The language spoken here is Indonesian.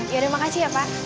ya udah makasih ya pak